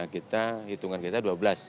kita sudah memiliki dua belas kapal selam